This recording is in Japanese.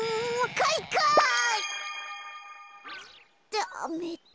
ダメだ。